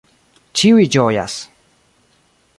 Ĉiuj ĝojas.